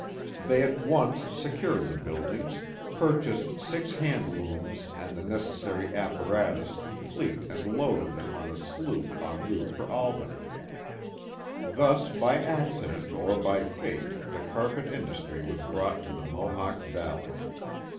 They at once secured the buildings, purchased six band looms and the necessary apparatus complete and loaded them on a sloop en route for Albany. Thus by accident or by fate the carpet industrj was brought to the Mohawk Valley.